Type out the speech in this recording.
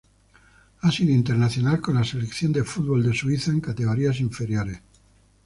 Ha sido internacional con la selección de fútbol de Suiza en categorías inferiores.